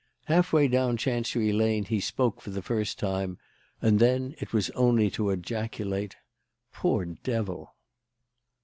Half way down Chancery Lane he spoke for the first time; and then it was only to ejaculate, "Poor devil!"